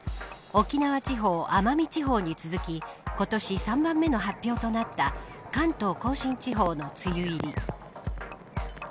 沖縄地方、奄美地方に続き今年３番目の発表となった関東甲信地方の梅雨入り。